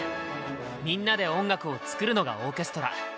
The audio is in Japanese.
みんなで音楽を作るのがオーケストラ。